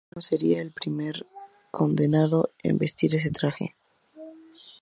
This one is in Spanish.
Martín Merino sería el primer condenado en vestir este traje.